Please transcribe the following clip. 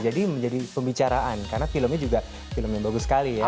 jadi menjadi pembicaraan karena filmnya juga film yang bagus sekali ya